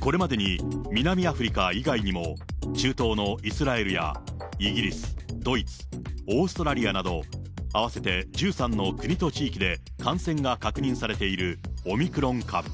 これまでに南アフリカ以外にも、中東のイスラエルやイギリス、ドイツ、オーストラリアなど、合わせて１３の国と地域で感染が確認されているオミクロン株。